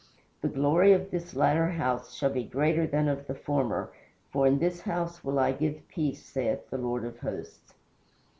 The glory of this latter house shall be greater than of the former, for in this house will I give peace, saith the Lord of Hosts."